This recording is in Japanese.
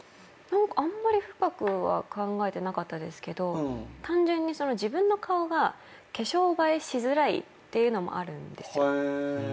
あんまり深くは考えてなかったですけど単純に自分の顔が化粧映えしづらいっていうのもあるんですよ。